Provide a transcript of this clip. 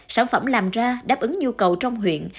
sản phẩm làm ra đáp ứng nhu cầu trong huyện